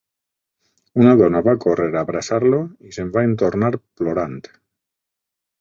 Una dona va córrer a abraçar-lo i se'n va entornar plorant.